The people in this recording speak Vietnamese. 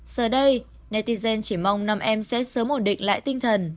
giờ đây netizen chỉ mong nam em sẽ sớm ổn định lại tinh thần